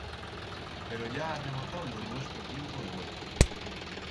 Pero ya ha rematau lo nuestro tiempo de hue.